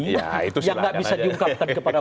yang nggak bisa diungkapkan kepada